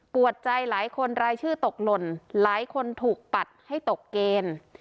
วดใจหลายคนรายชื่อตกหล่นหลายคนถูกปัดให้ตกเกณฑ์